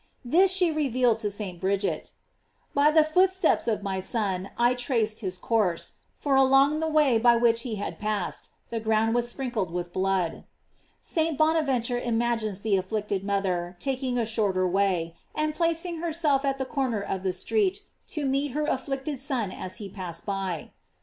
This she revealed to St. Bridget: "By the footsteps of my Son I traced his course, for along the way by which he had passed, the ground was sprink led with blood."| St. Bonaventure imagines the afflicted mother taking a shorter way, and placing herself at the corner of the street to meet her afflicted Son as he passed by.